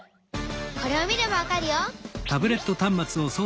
これを見ればわかるよ！